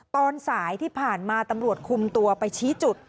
ตอนสายที่ผ่านมาตำรวจคุมตัวไปชี้จุด